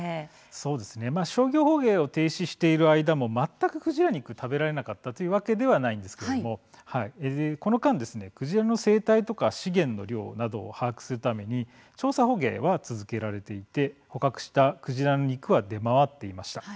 そうですね、商業捕鯨を停止している間も全くクジラ肉食べられなかったというわけではないんですけれどもこの間、クジラの生態とか資源の量などを把握するために調査捕鯨は続けられていて捕獲したクジラの肉は出回っていました。